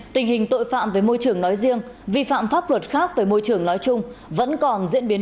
xin chào quý vị và các bạn